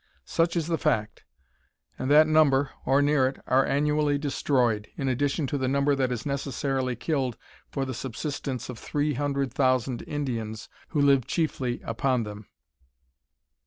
Such is the fact, and that number, or near it, are annually destroyed, in addition to the number that is necessarily killed for the subsistence of three hundred thousand Indians, who live chiefly upon them."